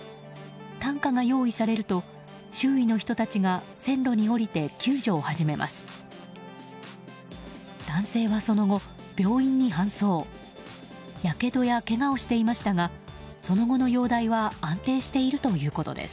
担架が用意されると周囲の人たちが線路に下りて救助を始めます。